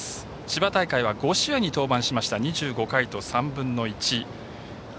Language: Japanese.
千葉大会は５試合に登板しまして２５回と３分の１。